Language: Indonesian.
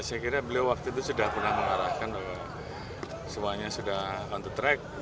saya kira beliau waktu itu sudah pernah mengarahkan bahwa semuanya sudah on the track